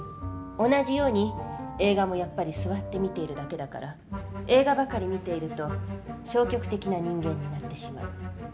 同じように映画もやっぱり座って見ているだけだから映画ばかり見ていると消極的な人間になってしまう。